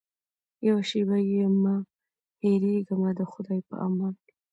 یوه شېبه یمه هېرېږمه د خدای په امان.